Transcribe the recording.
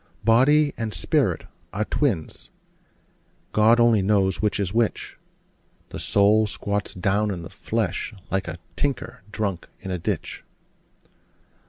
Body and spirit are twins: God only knows which is which: The soul squats down in the flesh, like a tinker drunk in a ditch.